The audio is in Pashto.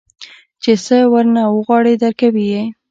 چې سه ورنه وغواړې درکوي يې.